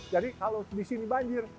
jadi kalau disini banjir